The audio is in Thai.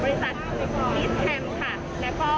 จากสำนักงานคณะกรรมการอาหารและยาและองค์การเทศจักรกร